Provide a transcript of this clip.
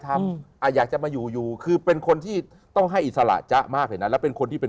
ทำอยากจะมาอยู่คือเป็นคนที่ต้องให้อิสระมากแล้วเป็นคนที่เป็น